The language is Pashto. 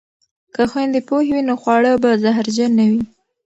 که خویندې پوهې وي نو خواړه به زهرجن نه وي.